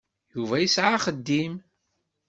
Yuba yesɛa axeddim.